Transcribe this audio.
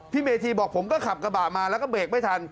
เมธีบอกผมก็ขับกระบะมาแล้วก็เบรกไม่ทัน